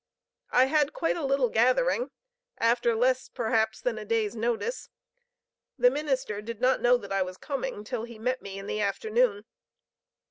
I had quite a little gathering, after less, perhaps, than a day's notice; the minister did not know that I was coming, till he met me in the afternoon.